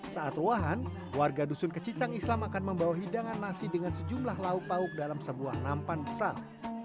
saat ruahan warga dusun kecicang islam akan membawa hidangan nasi dengan sejumlah lauk lauk dalam sebuah nampan besar